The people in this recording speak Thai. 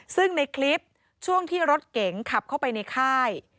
ซึ่งในคลิปช่วงที่รถเก๋งขับเข้าไปในค่าย